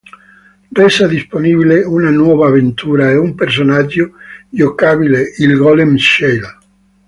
Resa disponibile una nuova avventura e un personaggio giocabile, il golem Shale.